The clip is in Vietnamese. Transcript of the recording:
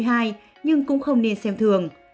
nhưng cũng không nên xem thường